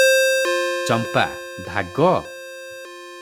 ଚମ୍ପା - ଭାଗ?